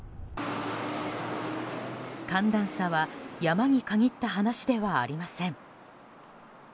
寒暖差は山に限った話ではありません。